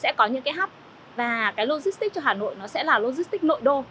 sẽ có những cái hub và cái logistic cho hà nội nó sẽ là logistic nội đô